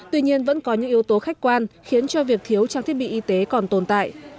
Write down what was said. tuy nhiên vẫn có những yếu tố khách quan khiến cho việc thiếu trang thiết bị y tế còn tồn tại